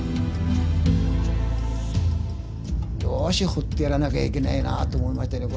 よし掘ってやらなきゃいけないなあと思いましてね。